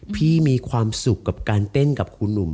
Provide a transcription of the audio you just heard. มีความสุขกับการเต้นกับครูหนุ่ม